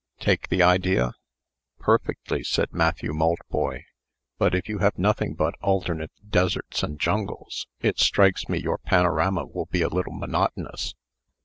Take the idea?" "Perfectly," said Matthew Maltboy; "but if you have nothing but alternate, deserts and jungles, it strikes me your panorama will be a little monotonous.